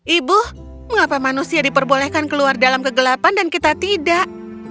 ibu mengapa manusia diperbolehkan keluar dalam kegelapan dan kita tidak